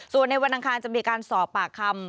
ส่วนในวันอังคารจะมีการสอบปากคำ